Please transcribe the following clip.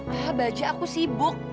ah bajie aku sibuk